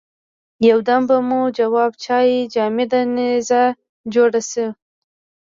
یو دم به مو جواب چای جامده نيزه جوړه شوه.